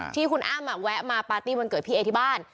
ที่คุณอ้ำแวะมาปาร์ตี้วันเกิดพี่เอที่บ้าน